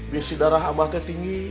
biasa darah abahnya tinggi